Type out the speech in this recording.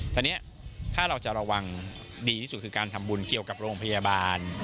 ตอนนี้ถ้าเราจะระวังดีที่สุดคือการทำบุญเกี่ยวกับโรงพยาบาล